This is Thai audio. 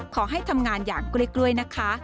ขอให้ทำงานอย่างกล้วยนะคะ